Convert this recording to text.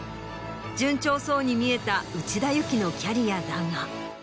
順調そうに見えた内田有紀のキャリアだが。